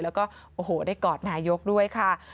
แล้วก็โอ้โหได้กอดนายกด้วยค่ะ